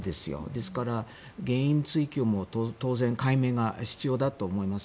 ですから原因追及も当然、解明が必要だと思います。